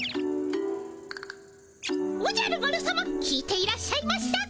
おじゃる丸さま聞いていらっしゃいましたか？